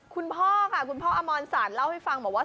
คุณพ่อค่ะคุณพ่ออมรสารเล่าให้ฟังบอกว่า